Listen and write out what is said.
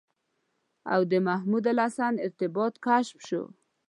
او د محمودالحسن ارتباط کشف شو.